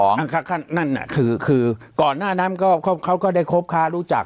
นั่นน่ะคือก่อนหน้านั้นเขาก็ได้คบค้ารู้จัก